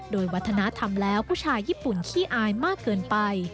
โดยวัฒนธรรมแล้วผู้ชายญี่ปุ่นขี้อายมากเกินไป